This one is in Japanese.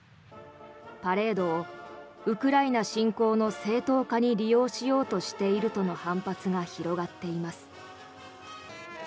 パレードをウクライナ侵攻の正当化に利用しているとの反発が広がっています。